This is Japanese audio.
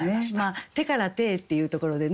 「手から手へ」っていうところでね